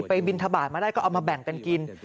บินทบาทมาได้ก็เอามาแบ่งกันกิน